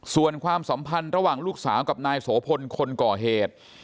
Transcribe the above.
ส่วนความสัมพันธ์ระหว่างลูกสาวกับนายโสพลคนก่อเหตุ